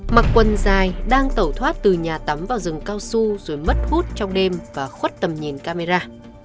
mặc quần dài đang tẩu thoát từ nhà tắm vào rừng cao su rồi mất hút trong đêm và khuất tầm nhìn camera